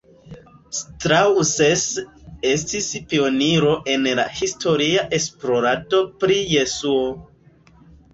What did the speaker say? Strauss estis pioniro en la historia esplorado pri Jesuo.